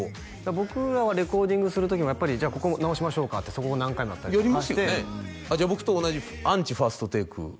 僕らはレコーディングする時もやっぱり「じゃあここを直しましょうか」ってそこを何回もやったりとかやりますよねあっじゃあ僕と同じアンチ「ＦＩＲＳＴＴＡＫＥ」？